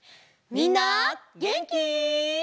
みんなげんき？